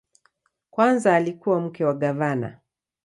Kwanza alikuwa mke wa gavana.